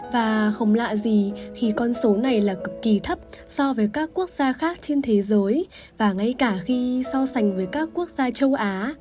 và không lạ gì khi con số này là cực kỳ thấp so với các quốc gia khác trên thế giới và ngay cả khi so sánh với các quốc gia châu á